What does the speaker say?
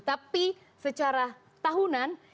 tapi secara tahunan